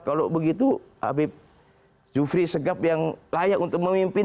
kalau begitu habib jufri segaf yang layak untuk memimpin